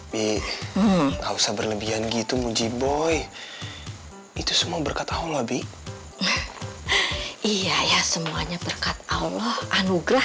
bi bi tak usah berlebihan gitu muji boy itu semua berkat allah bi iya semuanya berkat allah anugerah